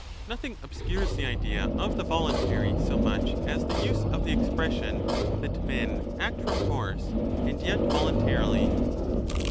35 tNothing obscures the idea of the voluntary so much as the use of the expression that men act from force and yet voluntarilyf.